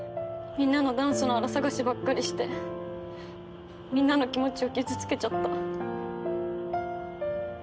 みんなのダンスのあら探しばっかりしてみんなの気持ちを傷つけちゃった。